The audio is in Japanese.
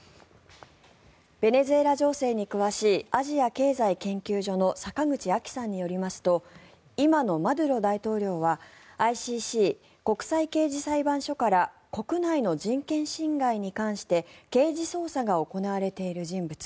ベネズエラ情勢に詳しいアジア経済研究所の坂口安紀さんによりますと今のマドゥロ大統領はＩＣＣ・国際刑事裁判所から国内の人権侵害に関して刑事捜査が行われている人物。